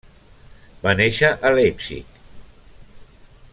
Va néixer a Leipzig.